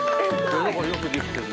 よくできてるな。